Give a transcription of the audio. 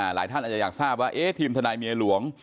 หลายท่านอาจจะอยากทราบว่าทีมทนายเมียหลวง